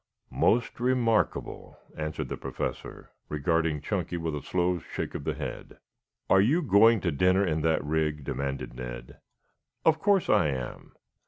"Most remarkable," answered the Professor, regarding Chunky with a slow shake of the head. "Are you going to dinner in that rig?" demanded Ned. "Of course I am."